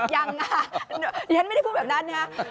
ยังค่ะฉันไม่ได้พูดแบบนั้นนะคะ